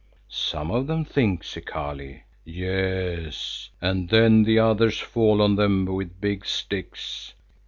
"Some of them think, Zikali." "Yes, and then the others fall on them with big sticks.